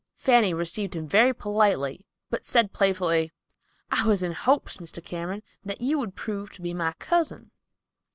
Fanny received him very politely, but said playfully, "I was in hopes, Mr. Cameron, that you would prove to be my cousin."